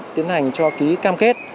tiến hành cho ký cam kết